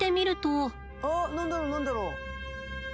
あっ何だろう何だろう。